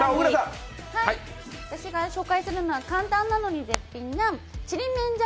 私が紹介するのは簡単なのに絶品なちりめんじゃ